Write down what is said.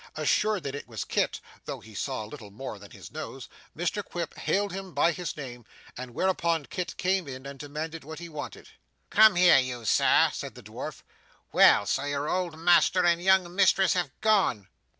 Assured that it was Kit, though he saw little more than his nose, Mr Quilp hailed him by his name; whereupon Kit came in and demanded what he wanted. 'Come here, you sir,' said the dwarf. 'Well, so your old master and young mistress have gone?